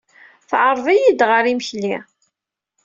Teɛreḍ-iyi-d ɣer yimekli.